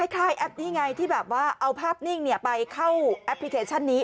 แอปนี้ไงที่แบบว่าเอาภาพนิ่งไปเข้าแอปพลิเคชันนี้